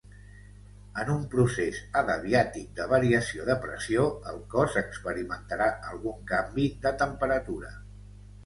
En un procés adiabàtic de variació de pressió, el cos experimentarà algun canvi de temperatura.